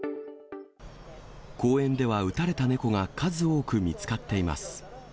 公園では撃たれた猫が数多く見つかっています。